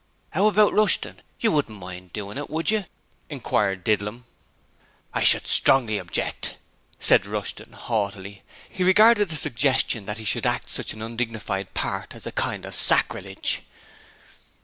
''Ow about Rushton? You wouldn't mind doin' it, would yer?' inquired Didlum. 'I should strongly object,' said Rushton haughtily. He regarded the suggestion that he should act such an undignified part, as a kind of sacrilege.